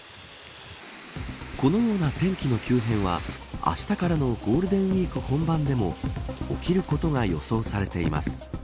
このような天気の急変はあしたからのゴールデンウイーク本番でも起きることが予想されています。